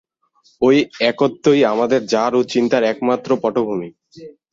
ঐ একত্বই আমাদের জড় ও চিন্তার একমাত্র-পটভূমি।